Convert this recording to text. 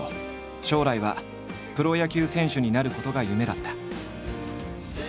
将来はプロ野球選手になることが夢だった。